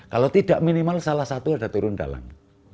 kalau tidak minimal salah satu ada turun dalam